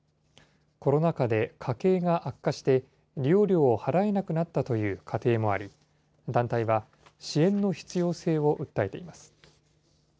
コロナ禍で家計が悪化して、利用料を払えなくなったという家庭もあり、団体は支援の必要性を訴えています。